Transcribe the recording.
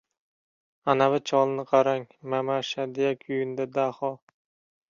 — Anavi cholni qarang, mamasha, — deya kuyundi Daho.